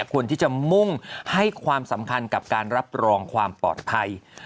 ควรที่จะมุ่งให้ความสำคัญกับการรับรองความปลอดภัย